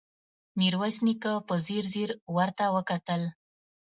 ميرويس نيکه په ځير ځير ورته وکتل.